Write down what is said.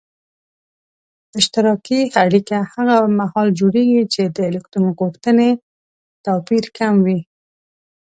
اشتراکي اړیکه هغه محال جوړیږي چې د الکترون غوښتنې توپیر کم وي.